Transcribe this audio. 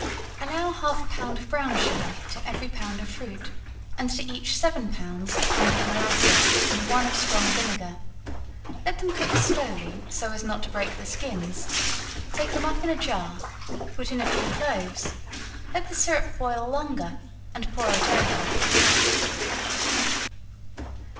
Allow half a pound of brown sugar to every pound of fruit, and to each seven pounds a pint of molasses, and one of strong vinegar, let them cook slowly, so as not to break the skins, take them up in a jar, put in a few cloves, let the syrup boil longer, and pour it over.